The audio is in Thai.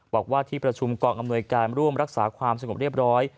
บอกว่าที่ประชุมกองอำนวยการร่วมรักษาความสงบเรียบร้อย